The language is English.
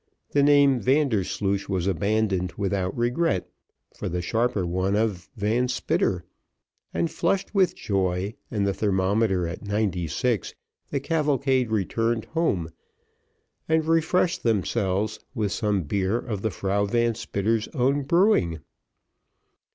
The name Vandersloosh was abandoned without regret, for the sharper one of Van Spitter; and flushed with joy, and the thermometer at ninety six, the cavalcade returned home, and refreshed themselves with some beer of the Frau Van Spitter's own brewing.